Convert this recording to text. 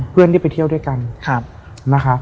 เพื่อนที่ไปเที่ยวด้วยกันนะคะ